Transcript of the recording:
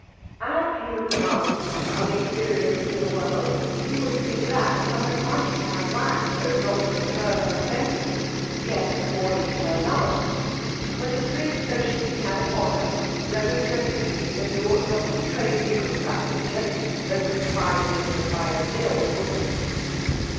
As he was young and unexperienced in the world, he would have been glad of some advice how to act so as not to incur her resentment, yet avoid her love; but the strict notions he had of honour remonstrated to him that he ought not to betray a secret of that nature, tho' confided in him by an ill woman.